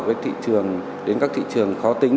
với thị trường đến các thị trường khó tính